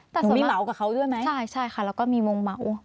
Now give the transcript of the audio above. หนูมีเหมากับเขาด้วยไหมใช่ค่ะแล้วก็มีวงเหมา